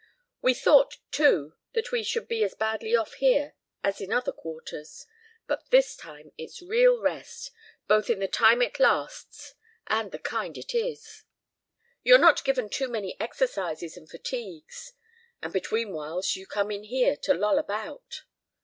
"We thought, too, that we should be as badly off here as in the other quarters. But this time it's real rest, both in the time it lasts and the kind it is." "You're not given too many exercises and fatigues." "And between whiles you come in here to loll about."